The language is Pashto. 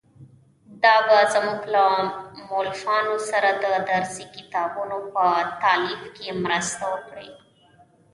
دا به زموږ له مؤلفانو سره د درسي کتابونو په تالیف کې مرسته وکړي.